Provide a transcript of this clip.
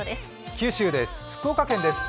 九州、福岡県です。